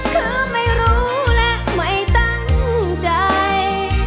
เธอไม่รู้และไม่ตั้งใจ